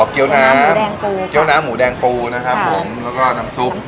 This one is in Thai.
อ๋อเกี๊ยวน้ำแมวแดงปูเกี๊ยวน้ำหมูแดงปูนะครับผมแล้วก็น้ำซุป